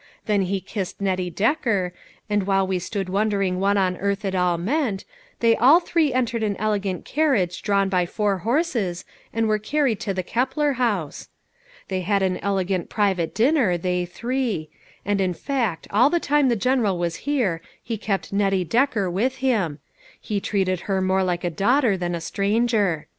Then he kissed Nettie Decker, and while we stood wondering what on earth it all meant, they all three entered an elegant carriage drawn by four horses, and were carried to the Keppler House. THE PAST AND PRESENT. 425 I "They had an elegant private dinner, they three ; and in fact all the time the General was here, he kept Nettie Decker with them ; he treated her mon* like a daughter than a stranger.